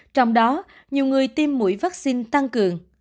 trong đó nhiều người tiêm mũi vaccine tăng cường